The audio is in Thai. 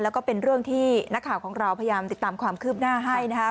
แล้วก็เป็นเรื่องที่นักข่าวของเราพยายามติดตามความคืบหน้าให้นะคะ